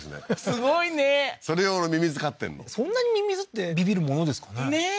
すごいねそれ用のミミズ飼ってんのそんなにミミズってビビるものですかねねえ